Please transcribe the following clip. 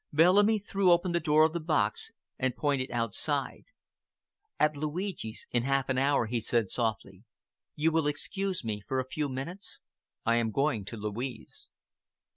Bellamy threw open the door of the box and pointed outside. "At Luigi's in half an hour," said he softly. "You will excuse me for a few minutes? I am going to Louise."